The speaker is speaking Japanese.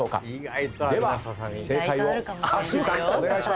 では正解をはっしーさんお願いします。